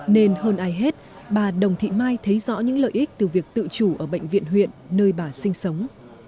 nên hơn ai hết bà đồng thị mai thấy rõ những lợi ích từ việc tự chủ ở bệnh viện huyện nơi bà sinh sống